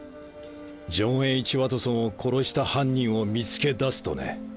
ジョン・Ｈ・ワトソンを殺した犯人を見つけ出すとね。